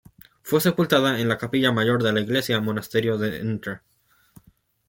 Fue sepultada en la capilla mayor de la iglesia-monasterio de Ntra.